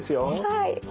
はい。